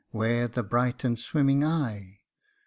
where the bright and swimming eye